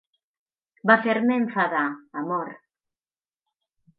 Va fer-me enfadar, amor.